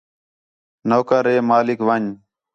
نوکر ہے مالک ون٘ڄ